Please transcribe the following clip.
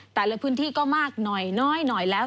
แต่ละพื้นที่ก็มากหน่อยแล้ว